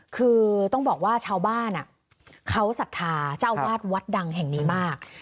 คือต้องบอกว่าชาวบ้านเขาศรัทธาเจ้าอาวาสวัดดังแห่งนี้มาก